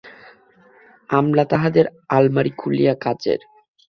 আমলা তাহাদের আলমারি খুলিয়া কাঁচের।